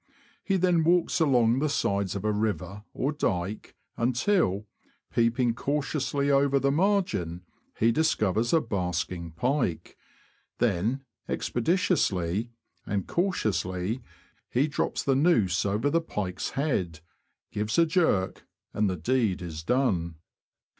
He then walks along the sides of a river or dyke until, peeping cautiously over the margin, he discovers a basking pike ; then, expeditiously and cautiously, he drops the noose over the pike's head, gives a jerk, and the deed is done.